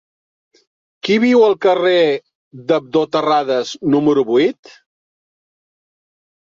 Qui viu al carrer d'Abdó Terradas número vuit?